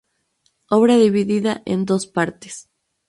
Obra dividida en dos partes.